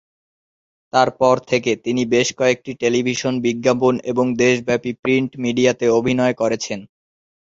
তারপর থেকে তিনি বেশ কয়েকটি টেলিভিশন বিজ্ঞাপন এবং দেশব্যাপী "প্রিন্ট মিডিয়াতে"অভিনয় করেছেন।